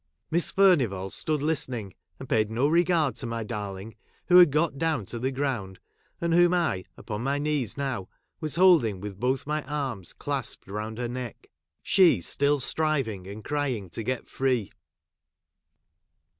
Miss Furnivall stood listening, and paid no regard to my darling, who had got down to the ground, and whom I, upon my knees now, was holding with both my arms clasped round her neck ; she still striving and crying to get free.